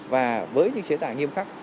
và với những chế tài nghiêm khắc